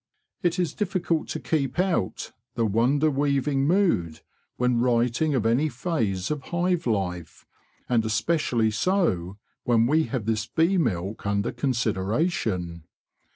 It is difficult to keep out the wonder weaving mood when writing of any phase of hive life, and especially so when we have this bee milk under consideration.